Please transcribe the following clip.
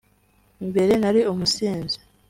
” mbere nari umusinzi